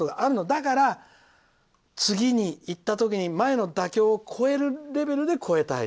だから、次に行った時に前の妥協を超えるレベルで超えたい。